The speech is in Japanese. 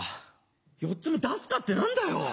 「４つ目出すか」って何だよ。